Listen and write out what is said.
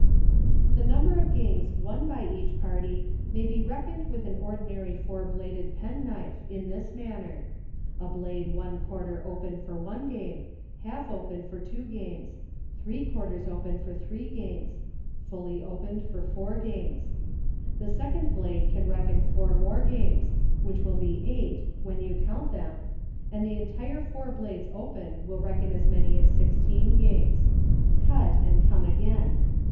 The number of games won by each party may be reckoned with an ordinary four bladed penknife, in this manner: a blade one quarter open for one game; half open tor two games ; three quarters open for three games; fully opened, for four games. The MODE OF PLAYING. 43 second blade can reckon four more games, which will be eight — when you count them — and the entire four blades open will reckon as many as sixteen games. "Cut and come again."